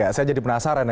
ya saya jadi penasaran ya